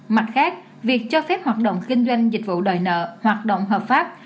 mặt khác việc cho phép hoạt động kinh doanh dịch vụ đòi nợ hoạt động hợp pháp